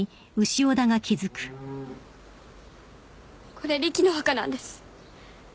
これリキの墓なんです